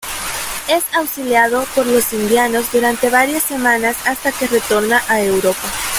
Es auxiliado por los indianos durante varias semanas hasta que retorna a Europa.